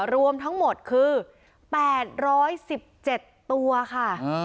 รวมทั้งหมดคือ๘๑๗ตัวค่ะ